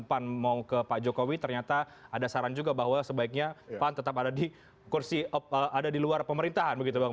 pan mau ke pak jokowi ternyata ada saran juga bahwa sebaiknya pan tetap ada di luar pemerintahan begitu bang